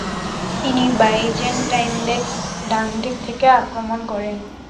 তিনি বাইজেন্টাইনদেরকে ডানদিক থেকে আক্রমণ করেন।